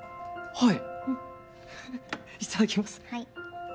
はい。